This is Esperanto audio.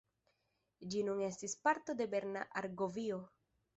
Ĝi nun estis parto de Berna Argovio.